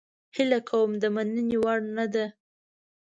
هیله کوم د مننې وړ نه ده.